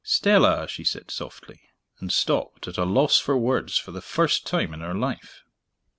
"Stella!" she said softly and stopped, at a loss for words for the first time in her life.